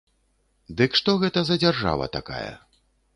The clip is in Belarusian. Дык што гэта за дзяржава такая?